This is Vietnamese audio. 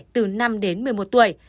từ năm đến một mươi một tuổi